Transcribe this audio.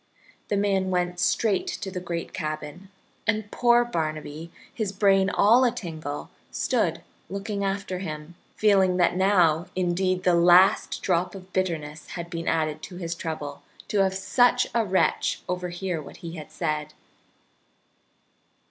The man went straight to the great cabin, and poor Barnaby, his brain all atingle, stood looking after him, feeling that now indeed the last drop of bitterness had been added to his trouble to have such a wretch overhear what he had said.